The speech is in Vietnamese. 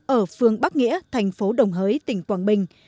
ở phương bắc nghĩa thành phố đồng hới tỉnh quảng bình